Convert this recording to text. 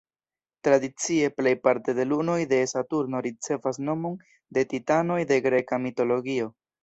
Tradicie, plejparte de lunoj de Saturno ricevas nomon de titanoj de greka mitologio.